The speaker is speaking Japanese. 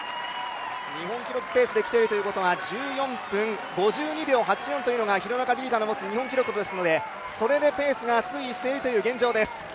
日本記録ペースできているということ１４分５２秒８４というのが廣中璃梨佳の持つ日本記録ですのでそれでペースが推移している現状です。